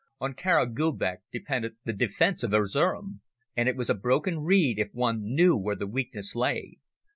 On Kara Gubek depended the defence of Erzerum, and it was a broken reed if one knew where the weakness lay.